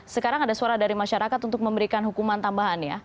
sekarang ada suara dari masyarakat untuk memberikan hukuman tambahan ya